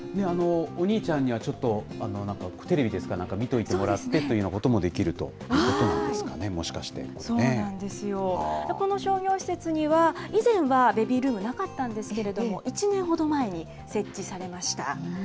お兄ちゃんにはちょっと、テレビですか、なんか見ておいてもらってということもできるんですかね、もしかして、ここの商業施設には、以前はベビールームなかったんですけれども、１年ほど前に設置されました。